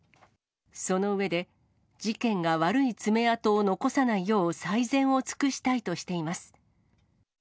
その上で、事件が悪い爪痕を残さないよう、最善を尽くしたいとしています。